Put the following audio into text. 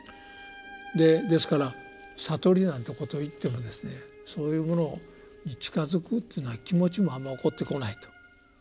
ですから悟りなんていうことを言ってもですねそういうものに近づくというような気持ちもあんまり起こってこないと。